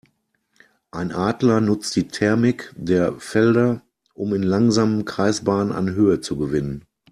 Ein Adler nutzt die Thermik der Felder, um in langsamen Kreisbahnen an Höhe zu gewinnen.